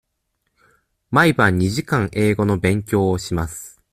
毎晩二時間英語の勉強をします。